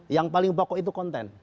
yang paling pokok itu konten